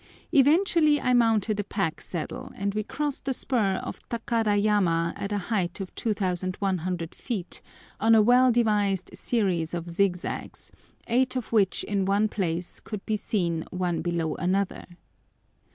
Eventually I mounted a pack saddle, and we crossed a spur of Takadayama at a height of 2100 feet on a well devised series of zigzags, eight of which in one place could be seen one below another.